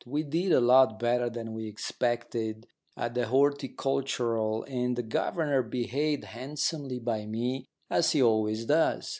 We did a lot better than we expected at the Horticultural, and the governor behaved handsomely by me, as he always does.